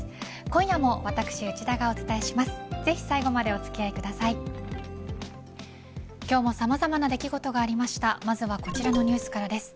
今夜も私、内田がお伝えします。